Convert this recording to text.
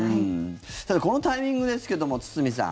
このタイミングですけども堤さん。